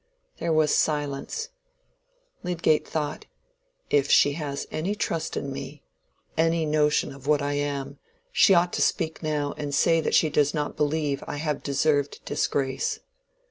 There was silence. Lydgate thought, "If she has any trust in me—any notion of what I am, she ought to speak now and say that she does not believe I have deserved disgrace."